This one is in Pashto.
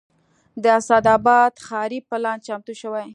د اسداباد ښاري پلان چمتو شوی